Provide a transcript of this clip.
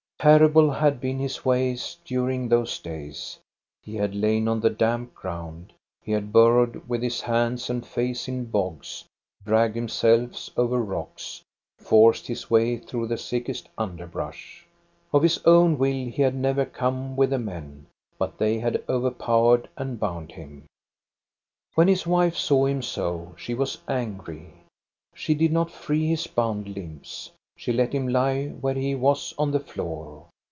Terrible had been his ways during those days; he had lain on the damp ground ; he had burrowed with 444 THE STORY OF GOSTA BERLING his hands and face in bogs, dragged himself over rocks, forced his way through tlie thickest under brush. Of his own will he had never come with the men ; but they had overpowered and bound him. When his wife saw him so, she was angry. She did not free his bound limbs ; she let him lie where he was on the floor.